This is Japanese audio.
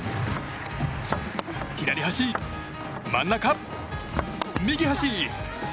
左端、真ん中、右端。